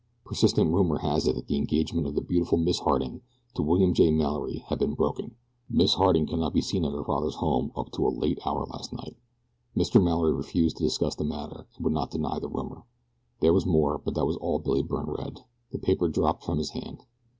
Persistent rumor has it that the engagement of the beautiful Miss Harding to Wm. J. Mallory has been broken. Miss Harding could not be seen at her father's home up to a late hour last night. Mr. Mallory refused to discuss the matter, but would not deny the rumor. There was more, but that was all that Billy Byrne read. The paper dropped from his hand.